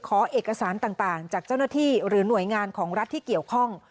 ขอเอกสารต่างจากเจ้าหน้าที่หรือหน่วยงานของรัฐที่เกี่ยวข้อง